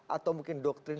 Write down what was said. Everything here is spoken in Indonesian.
atau mungkin doktrin